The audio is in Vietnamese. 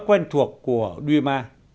quen thuộc của duy ma